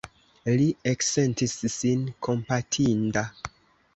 Li eksentis sin kompatinda.